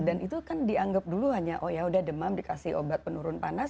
dan itu kan dianggap dulu hanya oh ya udah demam dikasih obat penurun panas